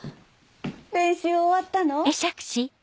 練習終わったの？